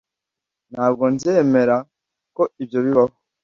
Ntabwo nzemera ko ibyo bibaho .